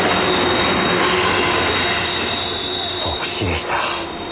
即死でした。